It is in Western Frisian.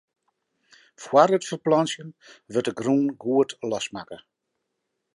Fóár it ferplantsjen wurdt de grûn goed losmakke.